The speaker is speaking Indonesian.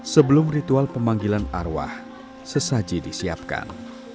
sebelum ritual pemanggilan arwah sesaji disiapkan